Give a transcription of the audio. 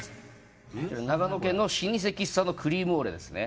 長野県の老舗喫茶のクリームオーレですね。